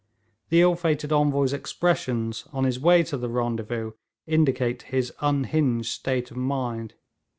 The ill fated Envoy's expressions on his way to the rendezvous indicate his unhinged state of mind.